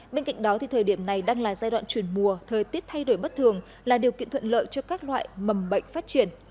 bên cạnh đó thời điểm này đang là giai đoạn chuyển mùa thời tiết thay đổi bất thường là điều kiện thuận lợi cho các loại mầm bệnh phát triển